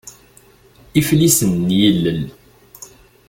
Iflisen n yilel.